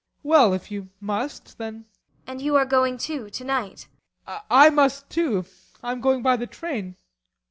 Well, if you must, then ASTA. And you are going, too, to night? BORGHEIM. I must, too. I am going by the train.